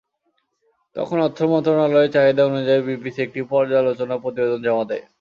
তখন অর্থ মন্ত্রণালয়ের চাহিদা অনুযায়ী বিপিসি একটি পর্যালোচনা প্রতিবেদন জমা দেয়।